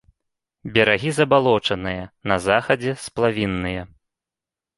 Берагі забалочаныя, на захадзе сплавінныя.